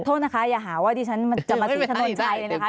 โทษนะคะอย่าหาว่าดิฉันจะมาที่ถนนชัยเลยนะคะ